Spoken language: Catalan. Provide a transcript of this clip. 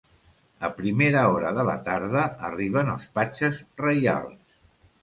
A primera hora de la tarda arriben els patges Reials.